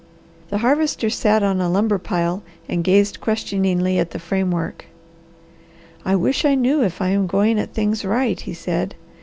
The Harvester sat on a lumber pile and gazed questioningly at the framework. "I wish I knew if I am going at things right," he said.